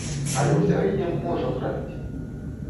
Але ў сярэднім можам зрабіць.